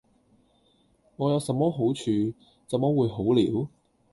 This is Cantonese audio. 我有什麼好處，怎麼會「好了」？